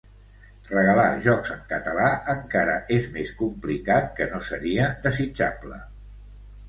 Regalar jocs en català encara és més complicat que no seria desitjable.